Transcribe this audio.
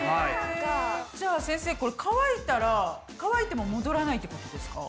じゃあ先生これ乾いたら乾いても戻らないってことですか？